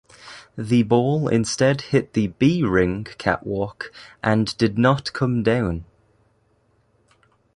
The ball instead hit the B ring catwalk and did not come down.